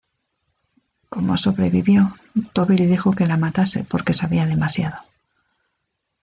Como sobrevivió, Tobi le dijo que la matase porque sabía demasiado.